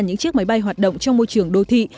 những chiếc máy bay hoạt động trong môi trường đô thị